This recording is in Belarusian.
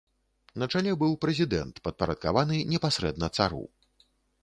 На чале быў прэзідэнт, падпарадкаваны непасрэдна цару.